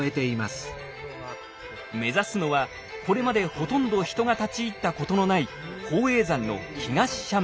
目指すのはこれまでほとんど人が立ち入ったことのない宝永山の東斜面。